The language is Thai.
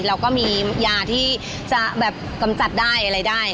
เราก็มียาที่จะแบบกำจัดได้อะไรได้